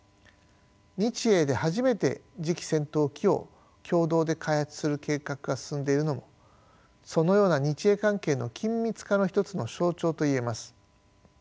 日英で初めて次期戦闘機を共同で開発する計画が進んでいるのもそのような日英関係の緊密化の一つの象徴と言えます。